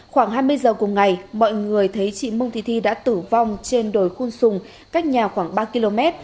khoảng hai mươi giờ cùng ngày mọi người thấy chị mông thị thi đã tử vong trên đồi khuôn sùng cách nhà khoảng ba km